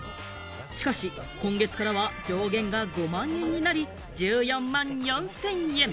しかし今月からは上限が５万円になり、１４万４０００円。